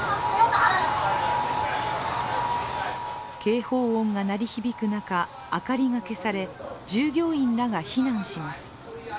警報音が鳴り響く中、明かりが消され従業員らが避難します。